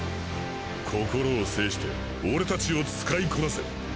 心を制して俺たちを使いこなせ！